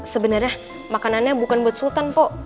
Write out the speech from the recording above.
sebenarnya makanannya bukan buat sultan kok